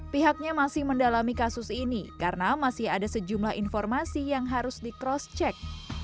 pihaknya masih mendalami kasus ini karena masih ada sejumlah informasi yang harus di cross check